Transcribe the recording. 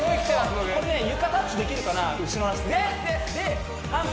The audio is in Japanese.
僕これね床タッチできるかなですです！